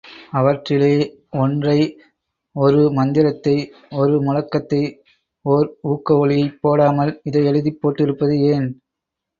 அவற்றிலே ஒன்றை ஒரு மந்திரத்தை ஒரு முழக்கத்தை ஒர் ஊக்க ஒலியைப் போடாமல் இதை எழுதிப் போட்டிருப்பது ஏன்?